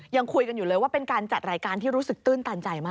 ยังคุยกันอยู่เลยว่าเป็นการจัดรายการที่รู้สึกตื้นตันใจมาก